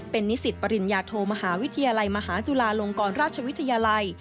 เป็นนิสิตปริญญาโทมหาวิทยาลัยมหาจุฬาลงกรราชวิทยาลัย